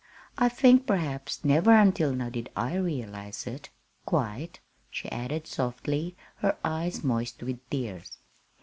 "I think perhaps never until now did I realize it quite," she added softly, her eyes moist with tears.